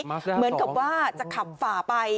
มาสซา๒เหมือนกับว่าจะขับฝ่าไป